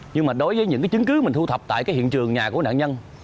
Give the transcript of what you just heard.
nhưng mà đối với những cái chứng cứ mình thu thập tại cái hiện trường nhà của nạn nhân